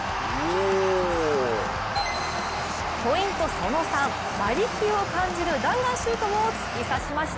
その３馬力を感じる弾丸シュートを突き刺しました。